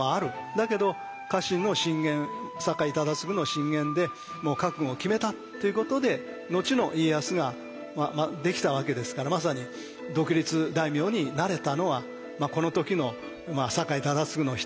だけど家臣の進言酒井忠次の進言でもう覚悟を決めたっていうことで後の家康ができたわけですからまさに独立大名になれたのはこの時の酒井忠次のひと言は大きいですね。